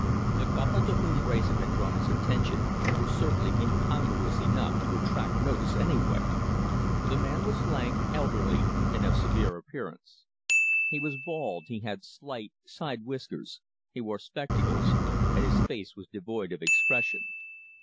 The couple to whom Wrayson had drawn his attention were certainly incongruous enough to attract notice anywhere. The man was lank, elderly, and of severe appearance. He was bald, he had slight side whiskers, he wore spectacles, and his face was devoid of expression.